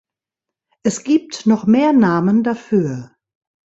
Es gibt noch mehr Namen dafür.